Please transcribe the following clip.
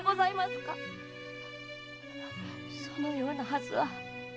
そのようなはずは。